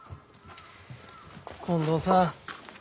近藤さん